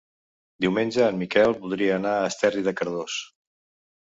Diumenge en Miquel voldria anar a Esterri de Cardós.